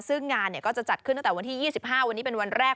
ซึ่งงานก็จะจัดขึ้นตั้งแต่วันที่๒๕วันนี้เป็นวันแรก